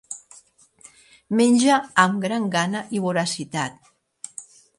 Menja amb gran gana i voracitat.